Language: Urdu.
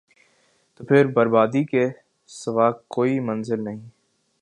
تو پھر بربادی کے سوا کوئی منزل نہیں ۔